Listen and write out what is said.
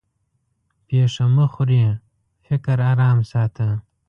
پېښه مه خورې؛ فکر ارام ساته.